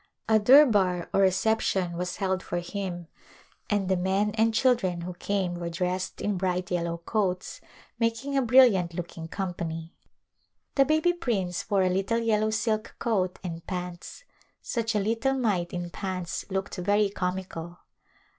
A durbar or reception was held for him and the men and children who came were dressed in bright yellow coats, making a brilliant looking company. The baby prince wore a little yellow silk coat and pants. Such a little mite In pants looked very com ical.